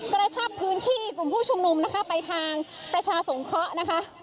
กระชับพื้นที่กลุ่มผู้ชุมนุมนะคะไปทางประชาสงเคราะห์นะคะ